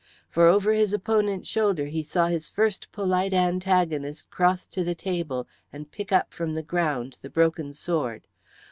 For over his opponent's shoulder he saw his first polite antagonist cross to the table and pick up from the ground the broken sword.